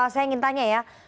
saya ingin tanya ya